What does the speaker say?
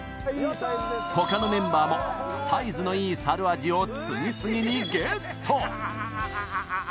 他のメンバーもサイズのいい猿アジを次々にゲット。